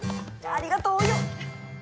ありがとうお葉！